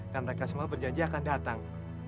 dan mereka semua berjanji akan datang